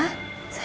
kamu lagi sakit ya